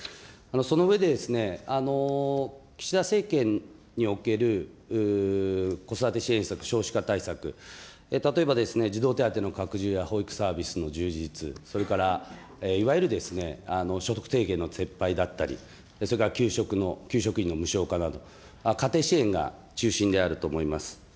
その上で、岸田政権における子育て支援策、少子化対策、例えばですね、児童手当の拡充や保育サービスの充実、それからいわゆる所得提言の撤廃だったり、それから給食の、給食費の無償化など、家庭支援が中心であると思います。